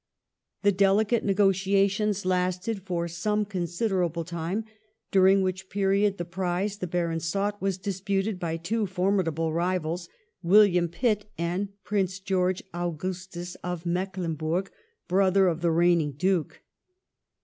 The delicate negotiations lasted for some con siderable time, during which period the prize the Baron sought was disputed by two formidable rivals — William Pitt and Prince George Augus tus of Mecklenburg, brother of the reigning Duke.